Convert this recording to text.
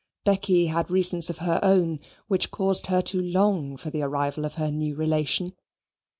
Becky had reasons of her own which caused her to long for the arrival of her new relation.